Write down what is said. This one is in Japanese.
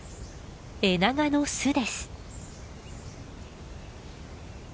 エナガの巣です。